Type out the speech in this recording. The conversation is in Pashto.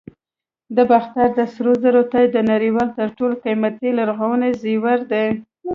د باختر د سرو زرو تاج د نړۍ تر ټولو قیمتي لرغوني زیور دی